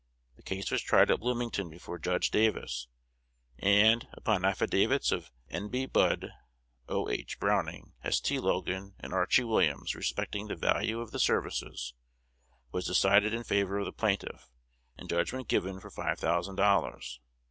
The case was tried at Bloomington before Judge Davis; and, upon affidavits of N. B. Judd, O. H. Browning, S. T. Logan, and Archy Williams, respecting the value of the services, was decided in favor of the plaintiff, and judgment given for five thousand dollars.